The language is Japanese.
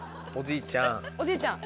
おじいちゃん。